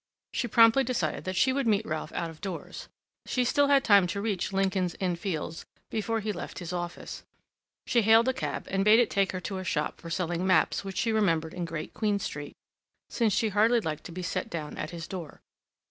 She promptly decided that she would meet Ralph out of doors; she still had time to reach Lincoln's Inn Fields before he left his office. She hailed a cab, and bade it take her to a shop for selling maps which she remembered in Great Queen Street, since she hardly liked to be set down at his door.